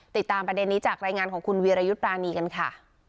ติดตามประเด็นนี้จากรายงานของคุณวีรยุทธ์ปรานีกันค่ะ